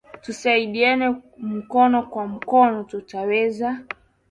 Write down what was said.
Tusaidiane mukono kwa mukono tuta weza